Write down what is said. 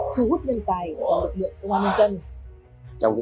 thu hút nguyên tài và lực lượng công an nhân dân